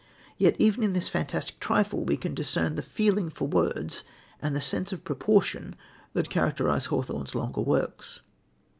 Yet even in this fantastic trifle we can discern the feeling for words and the sense of proportion that characterise Hawthorne's longer works.